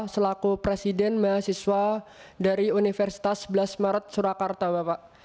selaku presiden mahasiswa dari universitas sebelas maret surakarta bapak